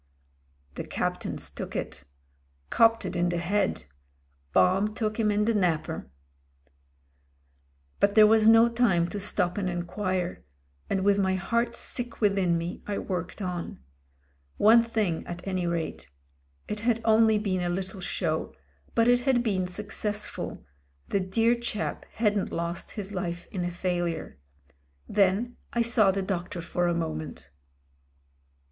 "The Captain's took it. Copped it in the head. Bomb took him in the napper." But there was no time to stop and enquire, and with my heart sick within me I worked on. One thing at 19^ MEN, WOMEN AND GUNS any rate ; it had only been a little show, but it had been successful — ^the dear chap hadn't lost his life in a fail ure. Then I saw the doctor for a moment.